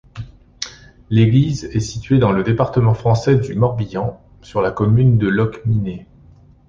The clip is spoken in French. L'église est située dans le département français du Morbihan, sur la commune de Locminé.